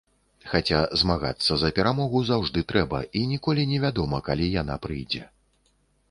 Хаця змагацца за перамогу заўжды трэба, і ніколі не вядома, калі яна прыйдзе.